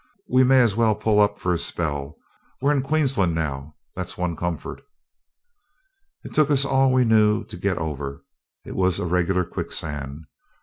We may as well pull up for a spell. We're in Queensland now, that's one comfort.' It took us all we knew to get over; it was a regular quicksand.